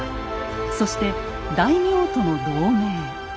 そして大名との同盟。